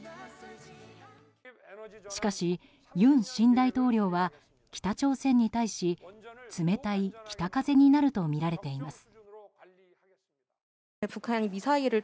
しかし、尹新大統領は北朝鮮に対し冷たい北風になるとみられています。